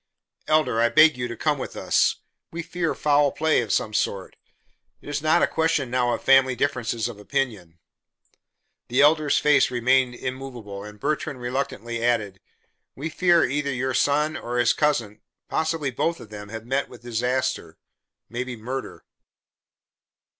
"Elder, I beg you to come with us. We fear foul play of some sort. It is not a question now of family differences of opinion." The Elder's face remained immovable, and Bertrand reluctantly added, "We fear either your son or his cousin, possibly both of them, have met with disaster maybe murder."